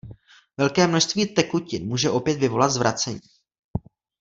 Velké množství tekutin může opět vyvolat zvracení.